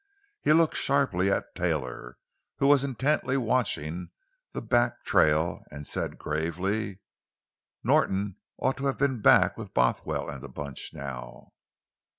He looked sharply at Taylor, who was intently watching the back trail, and said gravely: "Norton ought to have been back with Bothwell and the bunch, now."